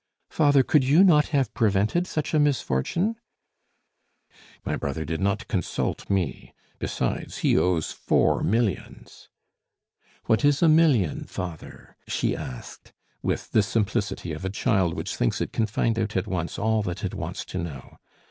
"Father, could you not have prevented such a misfortune?" "My brother did not consult me. Besides, he owes four millions." "What is a 'million,' father?" she asked, with the simplicity of a child which thinks it can find out at once all that it wants to know.